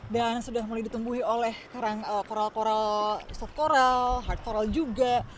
dan sudah mulai ditemui oleh karang koral koral soft coral hard coral juga